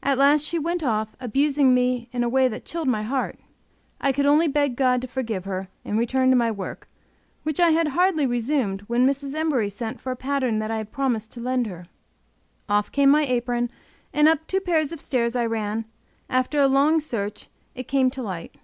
At last she went off, abusing me in a way that chilled my heart. I could only beg God to forgive her, and return to my work, which I had hardly resumed when Mrs. Embury sent for a pattern I had promised to lend her. Off came my apron, and up two pairs of stairs I ran; after a long search it came to light.